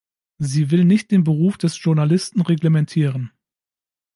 Sie will nicht den Beruf des Journalisten reglementieren.